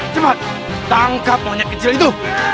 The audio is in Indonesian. cepat tangkap monyet kecil itu